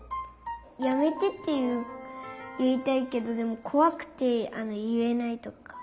「やめて」っていいたいけどこわくていえないとか。